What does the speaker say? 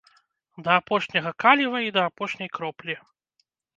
Да апошняга каліва і да апошняй кроплі.